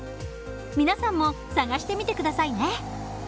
皆さんも探してみて下さいね。